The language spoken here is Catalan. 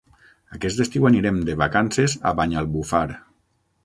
Aquest estiu anirem de vacances a Banyalbufar.